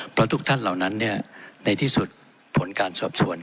เพราะทุกท่านเหล่านั้นในที่สุดผลการสอบสวน